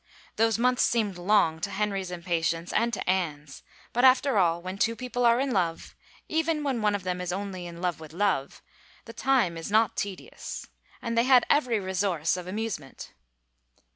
^^^^ Those months seemed long to Henry's impa tience and to Anne's, but after all when two people are in lov^ — even when one of them is only in love with love — the time is not tedious. And they had every resource of amusement.